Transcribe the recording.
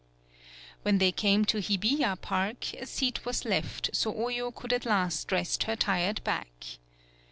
When they came to Hibiya park, a seat was left, so Oyo could at last rest her tired back.